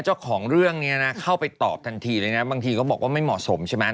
เจ้าของเรื่องนี้นะเข้าไปตอบทันทีเลยนะบางทีก็บอกว่าไม่เหมาะสมใช่ไหม